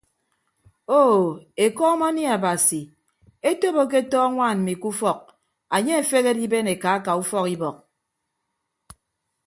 Oo ekọm anie abasi etop aketọ añwaan mmi ke ufọk anye afehe adiben eka aka ufọk ibọk.